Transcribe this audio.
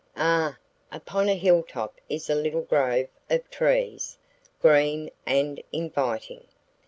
Ah! Upon a hilltop is a little grove of trees, green and inviting.